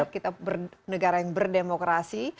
kita negara yang berdemokrasi